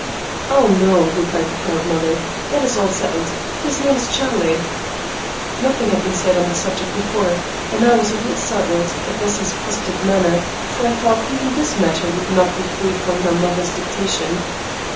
"Oh, no," replied the proud mother, "that is all settled; his name is Charlie." Nothing had been said on the subject before, and I was a little startled at Bessie's positive manner, for I thought even this matter would not be free from her mother's dictation.